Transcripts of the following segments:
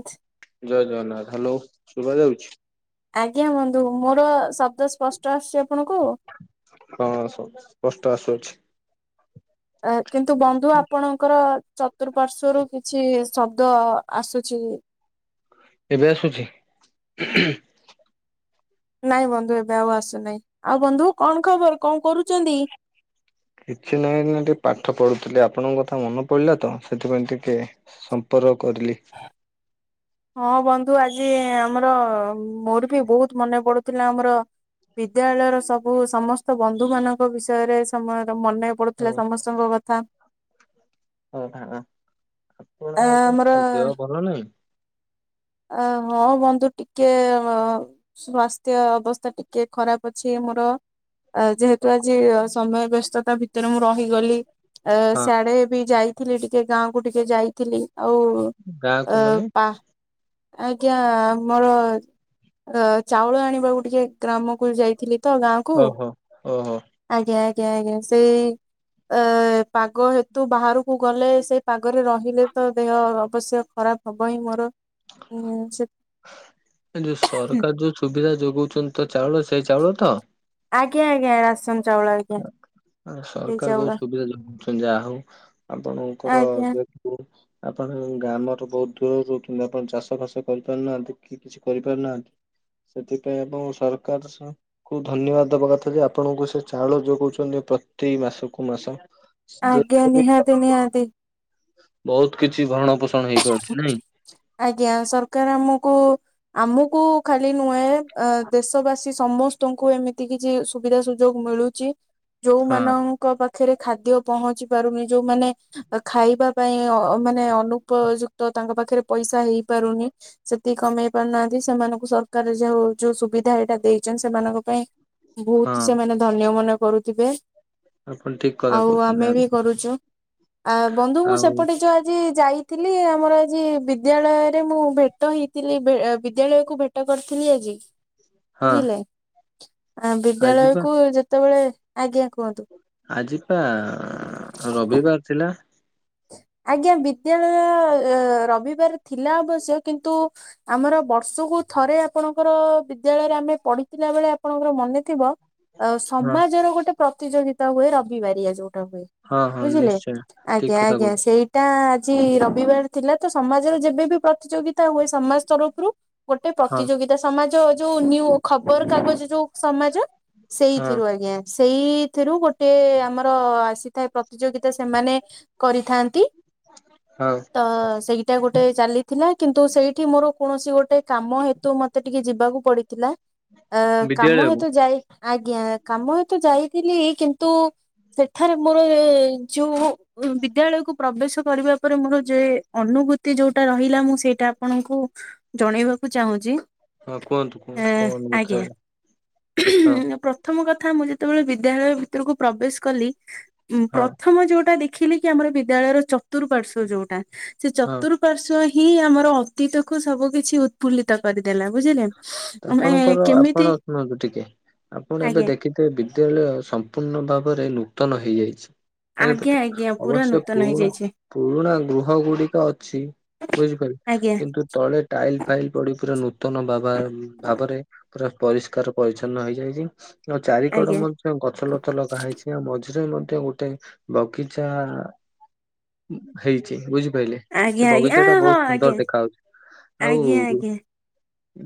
ଆଚ୍ଛା। ଜୟ ଜଗନ୍ନାଥ ହ୍ୟାଲୋ ଶୁଭା ଯାଉଛି? ଆଜ୍ଞା ବନ୍ଧୁ ମୋର ଶବ୍ଦ ସ୍ପଷ୍ଟ ଆସୁଛି ଆପଣଙ୍କୁ? ହଁ ସ ସ୍ପଷ୍ଟ ଆସୁଅଛି। କିନ୍ତୁ ବନ୍ଧୁ ଆପଣଙ୍କର ଚତୁଃପାର୍ଶ୍ଵରୁ କିଛି ଶବ୍ଦ ଆସୁଛି। ଏବେ ଆସୁଛି? ନାଇଁ ବନ୍ଧୁ ଏବେ ଆଉ ଆସୁନାହିଁ। ମଆଉ ବନ୍ଧୁ କଣ ଖବର କଣ କରୁଛନ୍ତି? କିଛି ନାହିଁ ନା ଟିକେ ପାଠ ପଢୁଥିଲି ଆପଣଙ୍କ କଥା ମନେ ପଡିଲା ତ ସେଥିପାଇଁ ଟିକେ ସମ୍ପର୍କ କରଖୁଥିଲି। [inaudible] ହଁ ବନ୍ଧୁ ଆଜି ଆମର ମୋର ବି ବହୁତ ମନେ ପଡୁଥିଲା ଆମର ବିଦ୍ୟାଳୟର ସବୁ ସମସ୍ତ ବନ୍ଧୁ ମାନଙ୍କ ବିଷୟରେ ସମ ମନେ ହଁ ପଢୁଥିଲା ସମସ୍ତଙ୍କ କଥା। ହ ଆ ଆପଣଙ୍କ ଆମର ଦେହ ଭଲ ନାହିଁ? ଅ ହଁ ବନ୍ଧୁ ଟିକେ ଅ ସ୍ଵାସ୍ଥ୍ୟ ଅବସ୍ଥା ଟିକେ ଖରାପ ଅଛି ମୋର। ଅ ଯେହେତୁ ଆଜି ସମୟ ବ୍ୟସ୍ତତା ଭିତରେ ମୁଁ ରହିଗଲି ହଁ ସିଆଡେ ବି ଯାଇ ଥିଲି ଟିକେ ଗାଁ କୁ ଟିକେ ଯାଇଥିଲି ଆଉ ଅ ଗାଁକୁ ମାନେ ପା ଆଜ୍ଞା ଆମର ଅ ଚାଉଳ ଆଣିବାକୁ ଟିକେ ଗ୍ରାମକୁ ଯାଇଥିଲି। ତ ଗାଁକୁ ଓହୋ ଓହୋ ଆଜ୍ଞା ଆଜ୍ଞା ଆଜ୍ଞା ସେଇ ଏ ପାଗ ହେତୁ ବାହାରକୁ ଗଲେ ସେଇ ପାଗରେ ରହିଲେ ତ ଦେହ ଅବଶ୍ୟ ଖରାପ ହବ ଇଁ ମୋର। ହୁଁ ସେ। ଏ ଯୋଉ ସରକାର ଯୋଉ ସୁବିଧା ଯୋଗଉଛନ୍ତି ତ ଚାଉଳ ସେଇ ଚାଉଳ ତ? ଆଜ୍ଞା ଆଜ୍ଞା ରାସନ ଚାଉଳ ଆଜ୍ଞା। ସେଇ ସରକାର ଚାଉଳ ବହୁତ ସୁବିଧା ଯୋଗଉଛନ୍ତି ଯାହା ହଉ ଆପଣଙ୍କର ଆଜ୍ଞା ଯୋଉ ଆପଣ ଗ୍ରାମର ବହୁତ ଦୂରରୁ ରହୁଛନ୍ତି ଆପଣ ଚାଷ ବାସ କରିପାରୁନାହାନ୍ତି କି? କିଛି କରିପାରୁନାହାନ୍ତି। ସେଥିପାଇଁ ଆପଣ ସରକାରକୁ ଧନ୍ୟବାଦ ଦବା କଥା ଯେ ଆପଣଙ୍କୁ ସେ ଚାଉଳ ଯୋଗଉଛନ୍ତି ପ୍ରତି ମାସକୁ ମାସ। ଆଜ୍ଞା ଯୋଉଥିରେ ବି ନିହାତି ନିହାତି। ବହୁତ କିଛି ଭରଣ ପୋଷଣ ହେଇପାରୁଛି ନାଇଁ। ଆଜ୍ଞା ସରକାର ଆମକୁ ଆମକୁ ଖାଲି ନୁହେଁ ଅ ଦେଶବାସୀ ସମସ୍ତଙ୍କୁ ଏମିତି କି ଯେ ସୁବିଧା ସୁଯୋଗ ମିଳୁଛି ହଁ ଯୋଉମାନଙ୍କୁ ପାଖରେ ଖାଦ୍ୟ ପହଞ୍ଚି ପାରୁନି ଯୋଉମାନେ ଖାଇବା ପାଇଁ ମାନେ ଅନୁ ଉପଯୁକ୍ତ ତାଙ୍କ ପାଖରେ ପଇସା ହେଇପାରୁନି। ସେତିକି କମେଇ ପାରୁନାହାନ୍ତି ସେମାନଙ୍କୁ ସରକାର ଯୋଉ ଯୋଉ ସୁବିଧା ଏଇଟା ଦେଇଛନ୍ତି ସେମାନଙ୍କ ପାଇଁ ବହୁତ ହଁ ସେମାନେ ଧନ୍ୟ ମନେ କରୁଥିବେ। ଆପଣ ଠିକ କଥା ଆଉ କହୁଛନ୍ତି ଆମେ ବି କରୁଛୁ। ଆ ବନ୍ଧୁ ମୁଁ ଆଉ ସେପଟେ ଯୋଉ ଆଜି ଯାଇ ଥିଲି ଆମର ଆଜି ବିଦ୍ୟାଳୟରେ ମୁଁ ଭେଟ ହେଇଥିଲି, ବିଦ୍ୟାଳୟକୁ ଭେଟ କରିଥିଲି ଆଜି। ହଁ ବୁଝିଲେ ଆ ଆଜି ପା ବିଦ୍ୟାଳୟକୁ ଯେତେବେଳେ ଆଜ୍ଞା କୁହନ୍ତୁ। [unintelligible] ବାର ଥିଲା। ଆଜ୍ଞା ବିଦ୍ୟାଳୟ ରବିବାର ଥିଲା ଅବଶ୍ୟ କିନ୍ତୁ ଆମର ବର୍ଷକୁ ଥରେ ଆପଣଙ୍କର ବିଦ୍ୟାଳୟରେ ଆମେ ପଢିଥିଲା ବେଳେ ଆପଣଙ୍କର ମନେ ଥିବ। ଆ ହଁ ସମାଜର ଗୋଟେ ପ୍ରତିଯୋଗିତା ହୁଏ ରବିବାରିଆ ଯୋଉଟା ହୁଏ ହଁ ହଁ ବୁଝିଲେ ନିଶ୍ଚୟ। ଠିକ ଆଜ୍ଞା କଥା ଆଜ୍ଞା କହୁଛ ସେଇ ତା ଆଜି ରବିବାର ଥିଲା ତ ସମାଜର ଯେବେବି ପ୍ରତିଯୋଗିତା ହୁଏ ସମାଜ ତରଫରୁ। ଗୋଟେ ହଁ ପ୍ରତିଯୋଗିତା ସମାଜ ଯୋଉ ନ୍ୟୂ ଖବର କାଗଜ ଯୋଉ ସମାଜ ହଁ ସେଇଥିରୁ ଆଜ୍ଞା। ସେଇଥିରୁ ଗୋଟେ ଆମର ଆସିଥାଏ ପ୍ରତିଯୋଗିତା ସେମାନେ କରିଥାନ୍ତି। ହଉ। ତ ସେଇଟା ଗୋଟେ ଚାଲିଥିଲା କିନ୍ତୁ ସେଇଠି ମୋର କୌଣସି ଗୋଟେ କାମ ହେତୁ ମତେ ଟିକେ ଯିବାକୁ ପଡିଥିଲା ଅ କାମ ବିଦ୍ୟାଳୟକୁ ହେତୁ ଯାଇ ଆଜ୍ଞା କାମ ହେତୁ ଯାଇଥିଲି କିନ୍ତୁ ସେଠାରେ ମୋର ଯୋଉ ବିଦ୍ୟାଳୟକୁ ପ୍ରବେଶ କରିବା ପରେ ମୋର ଯେ ଅନୁଭୂତି ଯୋଉଟା ରହିଲା ମୁଁ ସେଇଟା ଆପଣଙ୍କୁ ଜଣେଇବାକୁ ଚାହୁଁଚି। ହଁ କୁହନ୍ତୁ କୁହନ୍ତୁ ଏଁ କଣ କଥା ଆଜ୍ଞା। ହଁ ପ୍ରଥମ କଥା ମୁଁ ଯେତେବେଳେ ବିଦ୍ୟାଳୟ ଭିତରକୁ ପ୍ରବେଶ କଲି ହଁ ପ୍ରଥମ ଯୋଉଟା ଦେଖ ଦେଖିଲେ କି ଆମର ବିଦ୍ୟାଳୟର ଚତୁଃପାର୍ଶ୍ଵ ଯୋଉଟା ସେ ହଁ। ଚତୁର୍ ପାର୍ଶ୍ ହିଁ ଆମର ଅତୀତକୁୁ ସବୁ କିିଛି ଉତ୍ଫୁଲ୍ଲିତ କରିଦେଲା ବୁଝିଲେ। ଆମେ ଆପଣଙ୍କର କେମିତି ଆପଣ ଶୁଣନ୍ତୁ ଟିକେ ଆପଣ ଏବେ ଆଜ୍ଞା ଦେଖି ସେ ବିଦ୍ୟାଳୟ ସମ୍ପୂର୍ଣ୍ଣ ଭାବରେ ନୂତନ ହେଇଯାଇଛି। ଆଜ୍ଞା ଆଜ୍ଞା ପୁରା ଅବଶ୍ୟ ନୂତନ ପୁରୁଣା ହେଇଯାଇଛି ପୁରୁଣା ଗୃହ ଗୁଡିକ ଅଛି ବୁଝିପାର ଆଜ୍ଞା କିନ୍ତୁ ତଳେ ଟାଇଲ ଫାଇଲ ପଡି ପୁରା ନୂତନ ବାବା ଭାବରେ ପୁରା ପରିଷ୍କାର ପରିଚ୍ଛନ୍ନ ହେଇଯାଇଛି ଆଉ ଚାରି କଡ ଆଜ୍ଞା ମ ଗଛ ଲତ ଲଗା ହେଇଛି ଆଉ ମଝିରେ ମଧ୍ୟ ଗୋଟେ ବଗିଚା ହେଇଛି ବୁଝିପାଇଲେ। ସେ ଆଜ୍ଞା ଆଜ୍ଞା ବଗିଚା ଟା ଆ ହଁ ବହୁତ ଆଜ୍ଞା ସୁନ୍ଦର ଦେଖା ହଉଛି ଆଜ୍ଞା ଆଉ ଆଜ୍ଞା।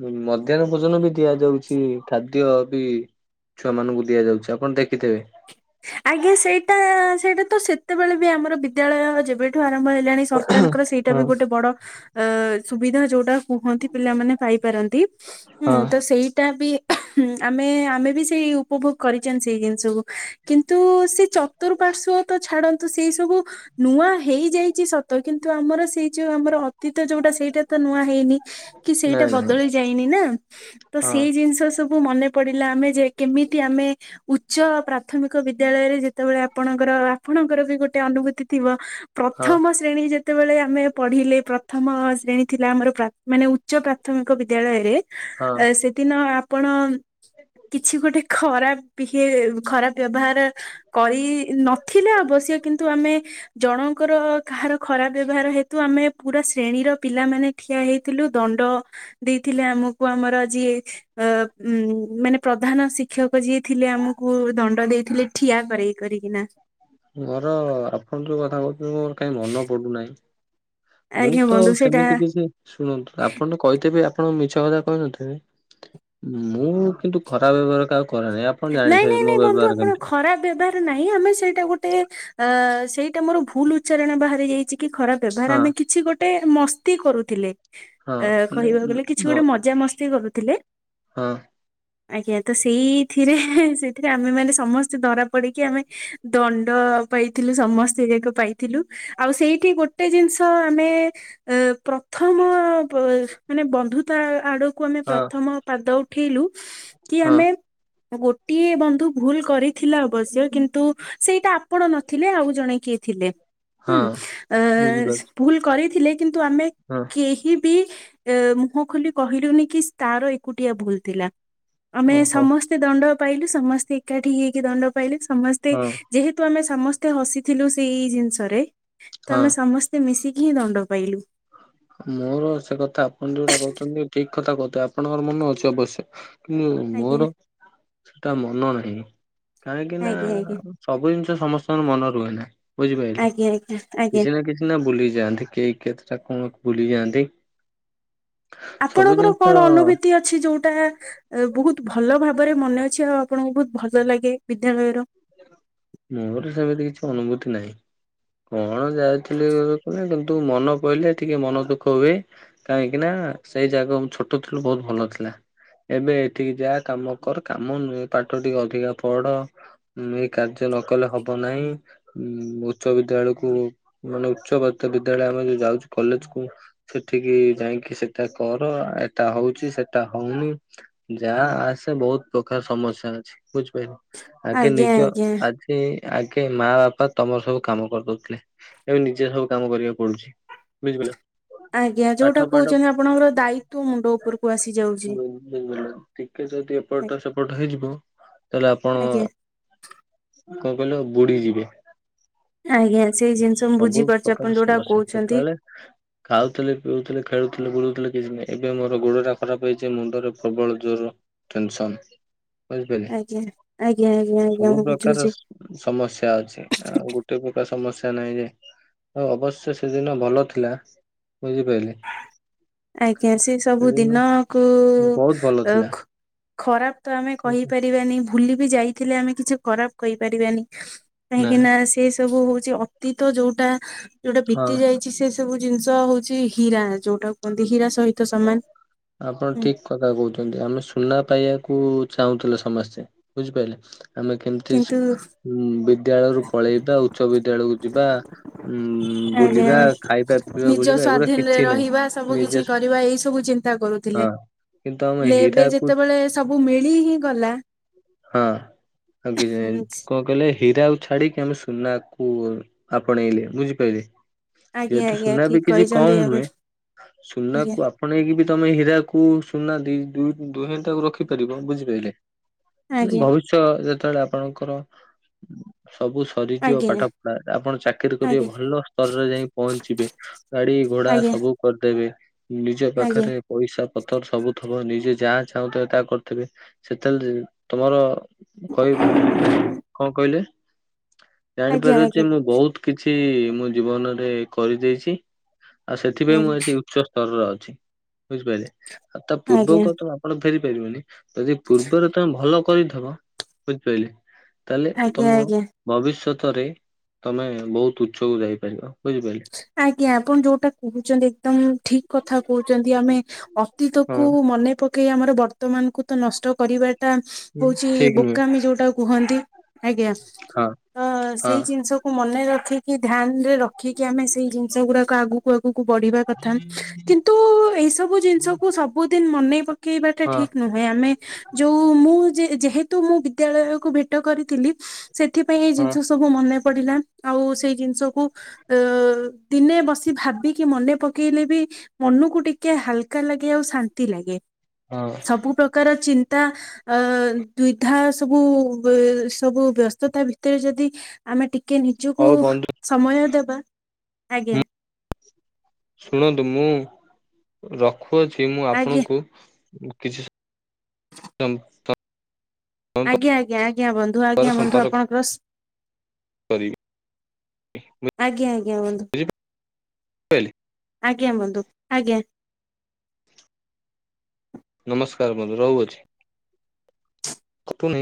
ମ ମଧ୍ଯାନ ଭୋଜନ ବି ଦିଆଯାଉଚି ଖାଦ୍ୟ ବି ଛୁଆ ମାନଙ୍କୁ ଦିଆଯାଉଚି ଆପଣ ଦେଖିଥିବେ। ଆଜ୍ଞା ସେଇଟା ସେଇଟା ତ ସେତେବେଳେ ବି ଆମର ବିଦ୍ୟାଳୟ ଯେବେଠୁ ଆରମ୍ଭ ହେଲାଣି ସରକାରଙ୍କର ସେଇଟା ବି ଗୋଟେ ବଡ ଅ ସୁବିଧା ଯୋଉଟା କୁହନ୍ତି ପିଲାମାନେ ପାଇପାରନ୍ତି ହୁଁ ତ ସେଇଟା ବି ଆମେ ଆମେ ବି ସେଇ ଉପଭୋଗ କରିଚନ୍ତି ସେଇ ଜିନିଷକୁ କିନ୍ତୁ ସେ ଚତୁଃପାର୍ଶ୍ଵ ତ ଛାଡନ୍ତୁ ସେଇ ସବୁ ନୂଆ ହେଇଯାଇଚି ସତ କିନ୍ତୁ ଆମର ସେଇ ଯଉ ଆମର ତ ଯୋଉଟା ସେଇଟା ତ ନୂଆ ହେଇନି କି ସେଇଟା ନାଇଁ ନାଇଁ ବଦଳି ଯାଇନି ନା। ତ ହଁ ସେଇ ଜିନିଷ ସବୁ ମନେ ପଡିଲା ଆମେ ଯେ କେମିତି ଆମେ ଉଚ୍ଚ ପ୍ରାପ ପ୍ରାଥମିକ ବିଦ୍ୟାଳୟରେ ଯେତେବେଳେ ଆପଣଙ୍କର ଆପଣଙ୍କର ବି ଗୋଟେ ଅନୁଭୂତି ଥିବ ହଁ ପ୍ରଥମ ଶ୍ରେଣୀ ଯେତେବେଳେ ଆମେ ପଢିଲେ ପ୍ରଥମ ଶ୍ରେଣୀ ଥିଲା ଆମର ପ୍ରା ମାନେ ଉଚ୍ଚ ପ୍ରାଥମିକ ହଁ ବିଦ୍ୟାଳୟରେ ସେ ଦିନ ଆପଣ କିଛି ଗୋଟେ ଖରାପ ବିହେ ଖରାପ ବ୍ୟବହାର କରି ନଥିଲେ ଅବଶ୍ୟ କିନ୍ତୁ ଆମେ ଜଣଙ୍କର କାହାର ଖରାପ ବ୍ୟବହାର ହେତୁ ଆମେ ପୁରା ଶ୍ରେଣୀର ପିଲାମାନୋନେ ଠିଆ ହେଇଥିଲୁ ଦଣ୍ଡ ଦେଇଥିଲେ ଆମକୁ ଆମର ଯିଏ ଅ ଉଁ ମାନେ ପ୍ରଧାନ ଶିକ୍ଷକ ଯିଏ ଥିଲେ ଆମକୁ ଦ ଟ ଦେଇଥିଲେ ଠିଆ କରରେଇ କରିକିନା। ମୋର ଆପଣ ଯୋଉ କଥା କହୁଛନ୍ତି ମୋର କାହିଁ ମନ ପଡୁନାହିଁ। ମୁଁ ଆଜ୍ଞା ତ ବନ୍ଧୁ ସେଇଟା ସେମିତି କିଛି ଶୁଣନ୍ତୁ ଆପଣ କହିଥିବି ଆପଣ ମିଛ କଥା କହିନଥିବେ ମୁଁ କିନ୍ତୁ ଖରାପ ବ୍ୟବହାର କହାକୁ କରେ ନାହି। ନାଇଁ ନାଇଁ ନାଇଁ ବନ୍ଧୁ ଆପଣ ଖରାପ ବ୍ୟବ ଦ ନାଇଁ ଆମେ ସେଇଟା ଗୋଟେ ସେଇଟା ମୋର ଭୁଲ ଉଚ୍ଚାରଣ ବାହାରି ଯାଇଚି କି ଖରାପ ବ୍ୟବହାର ହଁ। ଆମେ କିଛି ଗୋଟେ ମସ୍ତି କରୁଥିଲେ। ହଁ ଅ ମାନେ କହିବାକୁ ଗଲେ କିଛି ମୋ ଗୋଟେ ମଜା ମସ୍ତି କରୁଥିଲେ। ହଁ। ଆଜ୍ଞା ତ ସେଇ ଏଥିରେ ସେଥିରେ ଆମେ ମାନେ ସମସ୍ତେ ଧରା ପଡିକି ଆମେ ଦଣ୍ଡ ପାଇଥିଲୁ ସମସ୍ତେ ଯଇାକ ପାଇଥିଲୁ ଆଉ ସେଇଠି ଗୋଟେ ଜିନିଷ ଆମେ ଅ ପ୍ରଥମ ମାନେ ବନ୍ଧୁତା ଆଡ କୁ ଆମେ ହଁ ପ୍ରଥମ ପାଦ ଉଠେଇଲୁ କି ହଁ ଆମେ ଗୋଟିଏ ବନ୍ଧୁ ଭୁଲ କରିଥିଲା ଅବଶ୍ୟ କିନ୍ତୁ ସେଇଟା ଆପଣ ନ ଥିଲେ। ଆଉ ଜଣେ କିଏ ଥିଲେ ହଁ ହୁଁ ବୁଝିପାରୁଛି ଭୁଲ କରିଥିଲେ କିନ୍ତୁ ଆମେ ହଁ। କେହି ବି ମୁହଁ ଖୋଲି କହିଲୁନି କି ତାର ଏକୁଟିଆ ଭୁଲ ଥିଲା। ଆମେ ଓହୋ ସମସ୍ତେ ଦଣ୍ଡ ପାଇଲୁ ସମସ୍ତେ ଏକାଠି ହେଇକି ଦଣ୍ଡ ପାଇଲୁ ସମସ୍ତେ ହଁ ଯେହେତୁ ଆମେ ସମସ୍ତେ ହସିଥିଲୁ। ସେଇ ଜିନିଷରେ ତ ହଁ। ଆମେ ସମସ୍ତେ ସମସ୍ତେ ମିଶିକି ହିଁ ଦଣ୍ଡ ପାଇଲୁ। ମୋର ସେ କଥା ଆପଣ ଯୋଉଟା କହୁଛନ୍ତି ଠିକ କଥା କହୁଥିଲେ ଆପଣଙ୍କର ମନ ଅଛି ଅବଶ୍ୟ କିନ୍ତୁ ଆଜ୍ଞା ମୋର ସେଟା ମନ ନାହିଁ କାହିଁକି ନା। ଆଜ୍ଞା ଆଜ୍ଞା ସବୁ ଜିନିଷ ସମସ୍ତଙ୍କର ମନ ରୁହେନାହି ବୁଝିପାରିଲେ ଆଜ୍ଞା ଆଜ୍ଞା ଆଜ୍ଞା କିଛି ନା କିଛି ଭୁଲିଯାଆନ୍ତି କେହି କେତେଟା କଣ ଭୁଲିଯାଆନ୍ତି। ଆପଣଙ୍କର କଣ ଅନୁଭୂତି ଅ ଛି? ଯୋଉଟା ବହୁତ ଭଲ ଭାବରେ ମନେ ଅଛି ଆଉ ଆପଣଙ୍କୁ ବହୁତ ଭଲ ଲାଗେ ବିଦ୍ୟାଳୟର? ମୋର ସେମିତି କିଛି ଅନୁଭୂତି ନାହିଁ। କଣ ଯାଇଥିଲି କିନ୍ତୁ ମନ ପହିଲେ ଟିକେ ମନ ଦୁଃଖ ହୁଏ। କାହିଁକି ନା ସେଇ ଜାଗା ଛୋଟ ଥିଲୁ ବହୁତ ଭଲ ଥିଲା। ଏବେ ଏଠିକି ଯା କାମ କର କାମ ନୁହେଁ ପାଠ ଟିକେ ଅଧିକା ପଢ ଏ କାର୍ଯ୍ୟ ନକଲେ ହବ ନାହିଁ। ଉଚ୍ଚ ବିଦ୍ୟାଳୟକୁ ମାନେ ଉଚ୍ଚ ବିଦ୍ୟାଳୟ ଆମେ ଯଉ ଯାଉଛୁ କଲେଜ କୁ ସେଠିକି ଯାଇକି ସେଟା କର ଏଟା ହଉଛି ସେଟା ହଉନି। ଯାହା ଆସେ ବହୁତ ପ୍ରକାର ସମସ୍ୟା ଅଛି ବୁଝିପାରିଲି ଆଗେ ଆଜ୍ଞା ନିଜ ଆଜ୍ଞା। ସେ ଆଗେ ମା ବାପା ତମର ସବୁ କାମ କରିଦଉଥିଲେ ଏବେ ନିଜେ ସବୁ କାମ କରିବାକୁ ପଡୁଛି। ବୁଝିପାରିଲ। ଆଜ୍ଞା ପାଠ ଯୋଉଟା ପାଠ କହୁଛନ୍ତି ଆପଣଙ୍କର ଦାୟିତ୍ଵ ମୁଣ୍ଡ ଉପରକୁ ଆସିଯାଉଛି। ବିଲ [unintelligible] ଟିକେ ଯଦି ଏପଟ ସେପଟ ହେଇଯିବ ତାହେଲେ ଆପଣ ଆଜ୍ଞା କଣ କହିଲ ବୁଢୀ ଯିବେ। ଆଜ୍ଞା ସେଇ ଜିନିଷ ମୁଁ ସବୁ ବୁଝିପାରୁଛି ପ୍ରକାର ଆପଣ ଯୋଉଟା ସମସ୍ୟା କହୁଛନ୍ତି। ସେତେବେଳେ ଖାଉଥିଲେ ପିଉଥିଲେ ଖେଳୁଥିଲେ ବୁଳୁଥିଲେ କିଛି ନାହିଁ ଏବେ ମୋର ଗୋଡଟା ଖରାପ ହେଇଛି ମୁଣ୍ଡରେ ପ୍ରବଳ ଜ୍ୱର ଟେନସନ ବୁଝିପାରିଲେ ଆଜ୍ଞା ଆଜ୍ଞା ଆଜ୍ଞା ସବୁ ଆଜ୍ଞା ମୁଁ ପ୍ରକାର ବୁଝୁଛି। ସମସ୍ୟା ଅଛି ଆଉ ଗୋଟେ ପ୍ରକାର ସମସ୍ୟା ନାହିଁ। ଯେ ଆଉ ଅବଶ୍ୟ ସେଦିନ ଭଲ ଥିଲା ବୁଝିପାରିଲେ। ଆଜ୍ଞା ସେ ସବୁ ସେଦିନ ଦିନକୁ ବହୁତ ଭଲ ଥିଲା ଖରାପ ତ ଆମେ କହିପାରିବାନି। ଭୁଲି ବିି ଯାଇଥିଲେ ଆମେ କିଛି ଖରାପ କହିପାରିବାନି କାହିଁକି ନା ସେ ସବୁ ହଉଛି ଅତୀତ ଯୋଉଟା ଯୋଉଟା ହଁ ବିତି ଯାଇଛି ସେ ସବୁ ଜିନିଷ ହଉଛି। ହୀରା ଯୋଉଟା କୁହନ୍ତି ହୀରା ସହିତ ସମାନ। ଆପଣ ଠିକ କଥା କହୁଛନ୍ତି ଆମେ ସୁନା ପାଇବାକୁ ଚାହୁଁଥିଲେ ସମସ୍ତେ ବୁଝିପାରିଲେ। ଆମେ କେମିତି କିନ୍ତୁ ଉଁ ବିଦ୍ୟାଳୟରୁ ପଳେଇବା ଉଚ୍ଚ ବିଦ୍ୟାଳୟକୁ ଯିବା। ଉଁ ଆଜ୍ଞା ବୁଲିବା ଖାଇବା ପିଇବା ନିଜ ବୁଲିବା ଏଗୁଡା ସ୍ଵାଧୀନ ରେ କିଛି ନାହିଁ ରହିବା ସବୁ ନିଜେ କିଛି କରିବା ଏଇ ସବୁ ଚିନ୍ତା କରୁ ଥିଲେ ହଁ। କିନ୍ତୁ ଆମେ ହେଲେ ଏବେ ହୀରାକୁଦ ଯେତେବେଳେ ସବୁ ମିଳି ହିଁ ଗଲା ହଁ ଆଉ କିଛି କଣ କହିଲେ ହୀରା ଆଉ ଛାଡିକି ଆମେ ସୁନାକୁ ଆପଣେଇଲେ ବୁଝିପାରିଲେ। ଆଜ୍ଞା ଯେହେତୁ ଆଜ୍ଞା ସୁନା ବି ଠିକ କିଛି କହିଛନ୍ତି କମ୍ ନୁହେ ଏବେ ଆଜ୍ଞା ସୁନାକୁ ଆପ୍ ଆପଣେଇକି ବି ତମେ ହୀରାକୁ ସୁନା ଦି ଦୁ ଦୁହେଟାକୁ ରଖିପାରିବ ବୁଝିପାରିଲେ। ନେ ଆଜ୍ଞା ବହୁଚ ଯେତେବେଳେ ଆପଣଙ୍କର ସବୁ ସରିଯିବ ଆଜ୍ଞା ପାଠ ପଢା ଆପଣ ଚାକିର କରିବେ ଆଜ୍ଞା ଭଲ ସ୍ତରରେ ଯାଇ ପହଞ୍ଚିବେ। ଗାଡି ଘୋଡା ଆଜ୍ଞା ସବୁ କରିଦେବେ ନିଜ ପାଖରେ ପଇସା ପତର ସବୁ ଥବ ନିଜେ ଯାହା ଚାହୁଁଥିବ ତାହା କରିଥିବେ ସେତେବେଳେ ତମର କହି ଉଁ-ଉ କଣ କହିଲେ ଆଜ୍ଞା ଆଜ୍ଞା ଜାଣିପାରିବ ଯେ ମୁଁ ବହୁତ କିଛି-ଇ-ଇ-ଇ ମୁଁ ଜୀବନରେ କରିଦେଇଛି ଆଉ ସେଥିପାଇଁ ମୁଁ ଆଜ୍ଞା ଆଜି ଉଚ୍ଚ ସ୍ତରରେ ଅଛି ବୁଝିପାରିଲେ। ଆଉ ତା ପୂର୍ବକୁ ଆଜ୍ଞା କ ତ ଆପଣ ଫେରି ପାରିବେନି ଯଦି ପୂର୍ବରୁ ତମେ ଭଲ କରିଥବ ବୁଝିପାରିଲେ ତାହେଲେ ଆଜ୍ଞା ତମ ଆଜ୍ଞା ଭବିଷ୍ୟତରେ ତମେ ବହୁତ ଉଚ୍ଚକୁ ଯାଇପାରିବ ବୁଝିପାରିଲେ। ଆଜ୍ଞା ଆପଣ ଯୋଉଟା କହୁଛନ୍ତି ଏକଦମ ଠିକ କଥା କହୁଛନ୍ତି ଆମେ ହଁ ଅତୀତକୁ ମନେ ପକେଇ ଆମର ବର୍ତ୍ତମାନକୁ ତ ନଷ୍ଟ କରିବା ତା ହୁଁ ହଉଛି ଠିକ ନୁହେଁ। ବୋକାମି ଯୋଉଟା କୁହନ୍ତି ଆଜ୍ଞା। ହଁ ଅ-ଅ-ଅ ହଁ ସେଇ ଜିନିଷକୁ ମନେ ରଖିକି ଧ୍ୟାନ ରେ ରଖ ଖିକି ଆମେ ସେଇ ଜିନିଷ ଗୁଡାକ ଆଗକୁ ଆଗକୁ ବଢିବା କଥା। କିନ୍ତୁ-ଉ-ଉ ଏଇ ସବୁ ଜିନିଷକୁୁ ସବୁଦିନ ମନେଇ ପକେଇବାଟା ହଁ ଠିକ ନୁହଁ। ହେ ଆମେ ଯୋଉ ମୁଁ ଯେ ଯେହେତୁ ମୁଁ ବିଦ୍ୟାଳୟକୁ ଭେଟ କରିଥିଲି। ସେଥିପାଇଁ ଏଇ ହଁ ଜିନିଷ ସବୁ ମନେ ପଡିଲା ଆଉ ସେଇ ଜିନିଷକୁ ଅ-ଅ-ଅ ଦିନେ ବସି ଭାବିକି ମନେ ପକେଇଲେ ବି ମନକୁ ଟିକେ ହାଲକା ଲାଗେ ଆଉ ଶାନ୍ତି ଲାଗେ ହଁ ସବୁ ପ୍ରକାର ଚିନ୍ତା ଅ-ଅ-ଅ-ଅ ଦୁଇଧା ସବୁ ଏ ସବୁ ବ୍ୟସ୍ତତା ଭିତରେ ଯଦି ଆମେ ଟିକେ ହଉ ନିଜକୁ-ଉ ବନ୍ଧୁ ସମୟ ଦେବା ଆଜ୍ଞା। ମୁଁ ଶୁଣନ୍ତୁ ମୁଁ ରଖୁଅଛି ମୁଁ ଆଜ୍ଞା ଆପଣଙ୍କୁ କିଛି [unintelligible] ଆଜ୍ଞା ଆଜ୍ଞା ଆଜ୍ଞା ବନ୍ଧୁ ଆଜ୍ଞା ବନ୍ଧୁ ଆପଣ [unintelligible] କରି [unintelligible] ଆଜ୍ଞା ଆଜ୍ଞା ବନ୍ଧୁ। ବୁଝିପାରିଲେ ଆଜ୍ଞା ବନ୍ଧୁ ଆଜ୍ଞା। ନମସ୍କାର ବନ୍ଧୁ ରହୁଅଛି। କଟୁ ନେଇଁ।